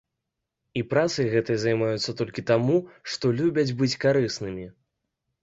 І працай гэтай займаюцца толькі таму, што любяць быць карыснымі.